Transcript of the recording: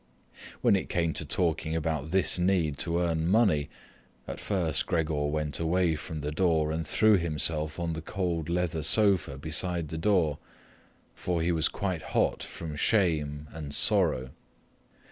When it came to talking about this need to earn money, at first Gregor went away from the door and threw himself on the cool leather sofa beside the door, for he was quite hot from shame and sorrow.